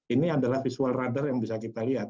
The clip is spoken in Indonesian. ini adalah visual radar yang bisa kita lihat